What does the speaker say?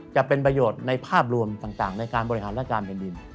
จะเป็นประโยชน์ในภาพรวมต่างในการบริหารราชการแผ่นดิน